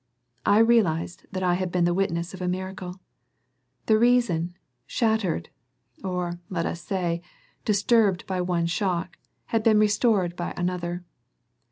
I realized that I had been the witness of a miracle. The reason, shattered, or, let us say, disturbed by one shock, had been restored by another.